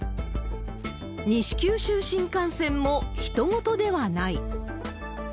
西九州新幹線も人ごとではない。